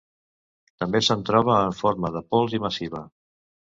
També se'n troba en forma de pols i massiva.